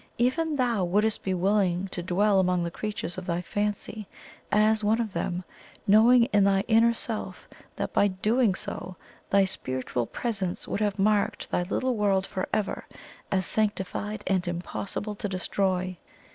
Even THOU wouldst be willing to dwell among the creatures of thy fancy as one of them, knowing in thy inner self that by so doing, thy spiritual presence would have marked thy little world for ever as sanctified and impossible to destroy.